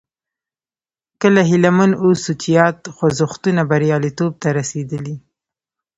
کله هیله مند واوسو چې یاد خوځښتونه بریالیتوب ته رسېدلي.